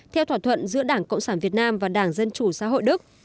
theo thỏa thuận giữa đảng cộng sản việt nam và đảng dân chủ xã hội đức